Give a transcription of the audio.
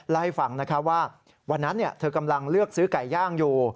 เล่าให้ฟังว่าวันนั้นเธอกำลังเลือกซื้อไก่ย่างอยู่